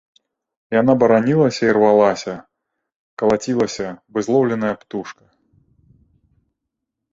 Яна баранілася і рвалася, калацілася, бы злоўленая птушка.